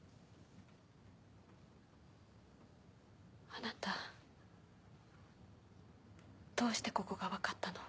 あなたどうしてここが分かったの？